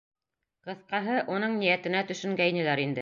Ҡыҫҡаһы, уның ниәтенә төшөнгәйнеләр инде.